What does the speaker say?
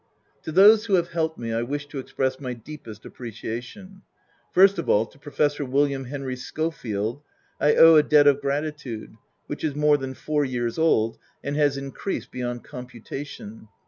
To those who have helped me I wish to express my deepest appreciation. First of all, to Professor William Henry Schofield I owe a debt of gratitude which is more than four years old, and has increased beyond computa tion.